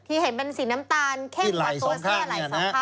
ที่เห็นเป็นสีน้ำตาลเข้มกับตัวเสื้อไหล่๒ข้าง